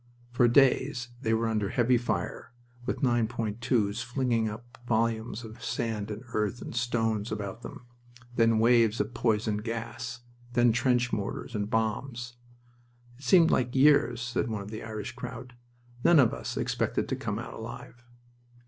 For days they were under heavy fire, with 9.2's flinging up volumes of sand and earth and stones about them. Then waves of poison gas. Then trench mortars and bombs. "It seemed like years!" said one of the Irish crowd. "None of us expected to come out alive."